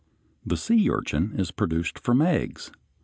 ] The sea urchin is produced from eggs.